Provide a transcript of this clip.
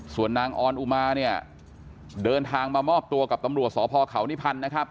ส่วนนางออนอุมาเดินทางมามอบตัวกับตำรวจสพเขานิพันธุ์